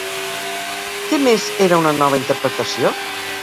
Què més era una nova interpretació?